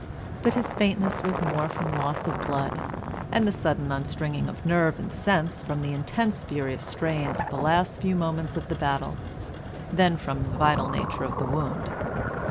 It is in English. But his faintness was more from loss of blood and the sudden unstringing of nerve and sense from the intense furious strain of the last few moments of battle than from the vital nature of the wound.